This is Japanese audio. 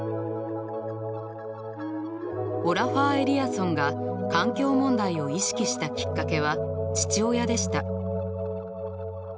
オラファー・エリアソンが環境問題を意識したきっかけは父親でした。